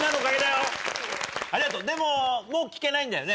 でももう聞けないんだよね。